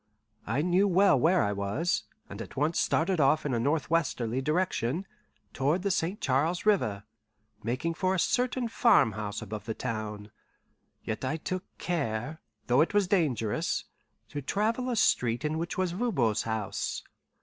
I knew well where I was, and at once started off in a northwesterly direction, toward the St. Charles River, making for a certain farmhouse above the town. Yet I took care, though it was dangerous, to travel a street in which was Voban's house.